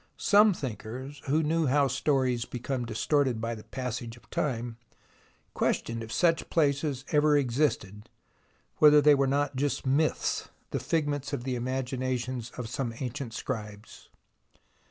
Some thinkers, who knew how stories become distorted by the passage of time, questioned if such places ever existed, whether they were not just myths, the figments of the imaginations of some ancient scribes.